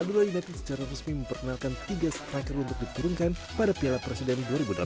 madura united secara resmi memperkenalkan tiga striker untuk diturunkan pada piala presiden dua ribu delapan belas